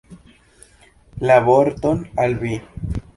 Ia vorton al vi.